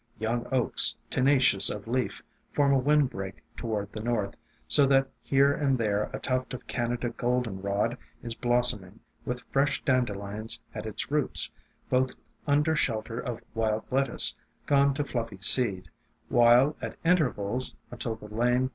Young Oaks, tenacious of leaf, form a wind break toward the north, so that here and there a tuft of Canada Goldenrod is blos soming, with fresh Dandelions at its roots, both under shelter of Wild Lettuce, gone to fluffy seed, while at intervals, until the lane